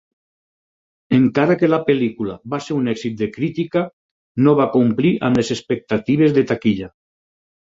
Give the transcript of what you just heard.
Encara que la pel·lícula va ser un èxit de crítica, no va complir amb les expectatives de taquilla.